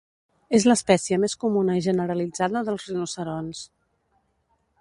És l'espècie més comuna i generalitzada dels rinoceronts.